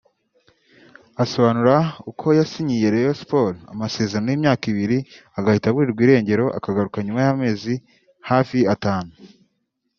Asobanura uko yasinyiye Rayon Sports amasezerano y’imyaka ibiri agahita aburirwa irengero akagaruka nyuma y’amezi hafi atanu